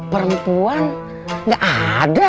perempuan nggak ada